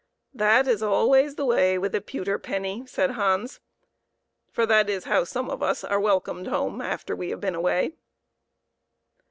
" That is always the way with a pewter penny," said Hans for that is how some of us are welcomed home after we have been away.